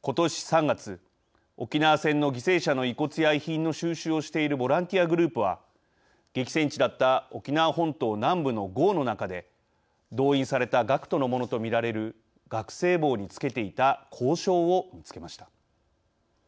ことし３月、沖縄戦の犠牲者の遺骨や遺品の収集をしているボランティアグループは激戦地だった沖縄本島南部のごうの中で動員された学徒のものと見られる学生帽につけていた校章を見つけました。